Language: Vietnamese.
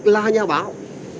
là nhà báo